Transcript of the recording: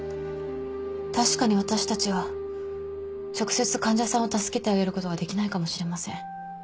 確かに私たちは直接患者さんを助けてあげることはできないかもしれません。